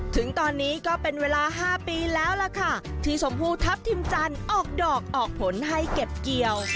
ถึงตอนนี้ก็เป็นเวลา๕ปีแล้วล่ะค่ะที่ชมพูทัพทิมจันทร์ออกดอกออกผลให้เก็บเกี่ยว